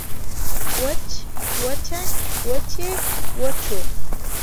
وچ وچه وچې وچو